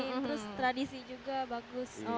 terus tradisi juga bagus